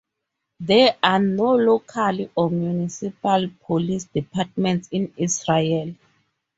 There are no local or "municipal" police departments in Israel.